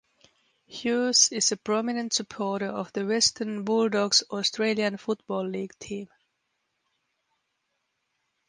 Hughes is a prominent supporter of the Western Bulldogs Australian Football League team.